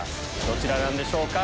どちらなんでしょうか。